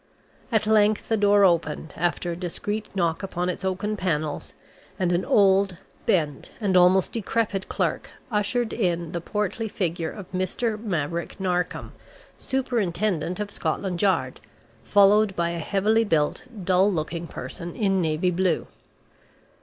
At length the door opened, after a discreet knock upon its oaken panels, and an old, bent, and almost decrepit clerk ushered in the portly figure of Mr. Maverick Narkom, Superintendent of Scotland Yard, followed by a heavily built, dull looking person in navy blue.